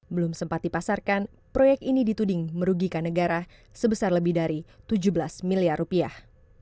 belum sempat dipasarkan proyek ini dituding merugikan negara sebesar lebih dari tujuh belas miliar rupiah